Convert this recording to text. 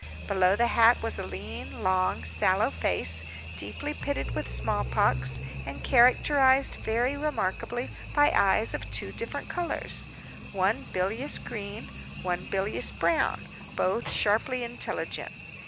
Below the hat was a lean, long, sallow face, deeply pitted with the smallpox, and characterized, very remarkably, by eyes of two different colors—one bilious green, one bilious brown, both sharply intelligent.